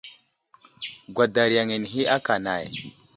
Gwadar yaŋ anehi aka nay.